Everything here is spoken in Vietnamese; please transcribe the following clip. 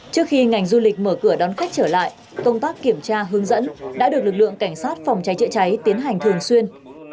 trước khi ngành du lịch mở cửa đón khách trở lại công tác kiểm tra hướng dẫn đã được lực lượng cảnh sát phòng cháy chữa cháy tiến hành thường xuyên